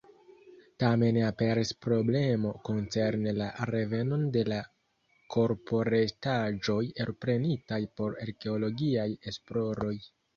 Tamen aperis problemo koncerne la revenon de la korporestaĵoj elprenitaj por arkeologiaj esploroj.